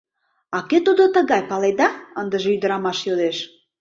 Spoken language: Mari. — А кӧ тудо тыгай, паледа? — ындыже ӱдырамаш йодеш.